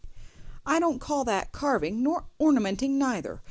"I don't call that carving, nor ornamenting neither!"